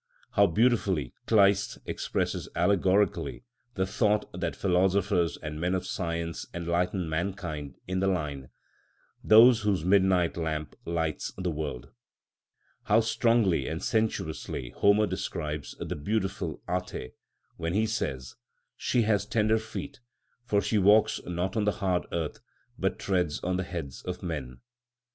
How beautifully Kleist expresses allegorically the thought that philosophers and men of science enlighten mankind, in the line, "Those whose midnight lamp lights the world." How strongly and sensuously Homer describes the harmful Ate when he says: "She has tender feet, for she walks not on the hard earth, but treads on the heads of men" (Il. xix.